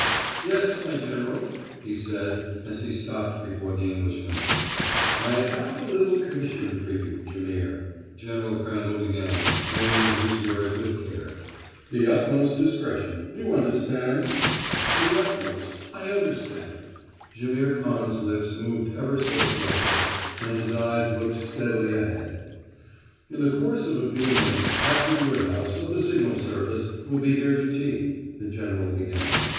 "Yes, my General," he said, as he stopped before the Englishman. "I have a little commission for you, Jaimihr," General Crandall began, weighing his words with care. "The utmost discretion you understand?" "The utmost. I understand." Jaimihr Khan's lips moved ever so slightly, and his eyes looked steadily ahead. "In the course of a few minutes, Captain Woodhouse, of the signal service, will be here to tea," the general began.